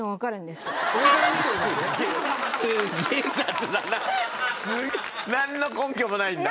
すげえなんの根拠もないんだ。